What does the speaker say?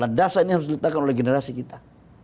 ledasan ini harus diletakkan oleh generasi kita